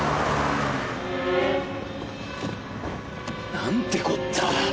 なんてこった！